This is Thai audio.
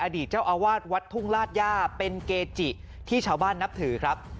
อดีตเจ้าอาวาสวัดทุ่งลาดย่าเป็นเกจิที่ชาวบ้านนับถือครับ